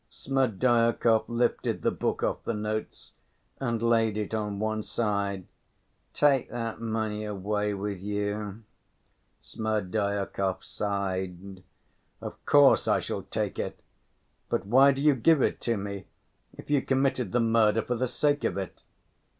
Smerdyakov lifted the book off the notes and laid it on one side. "Take that money away with you," Smerdyakov sighed. "Of course, I shall take it. But why do you give it to me, if you committed the murder for the sake of it?"